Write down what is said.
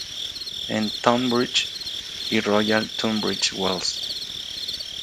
En Tonbridge y Royal Tunbridge Wells.